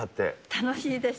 楽しいです。